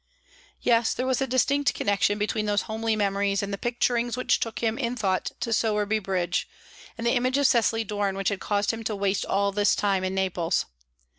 Yes, there was a distinct connection between those homely memories and picturings which took him in thought to Sowerby Bridge, and the image of Cecily Doran which had caused him to waste all this time in Naples.